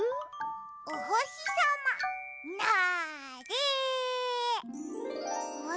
おほしさまなれ！わ！